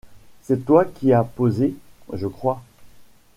C’est toi qui as posé, je crois?